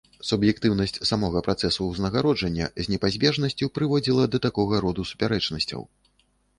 Суб'ектыўнасць самога працэсу ўзнагароджання з непазбежнасцю прыводзіла да такога роду супярэчнасцяў.